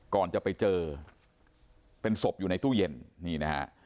ก่อนจะไปเจอเป็นศพอยู่ในตู้เย็น